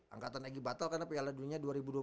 angkatan eg batal karena piala dunia dua ribu dua puluh satu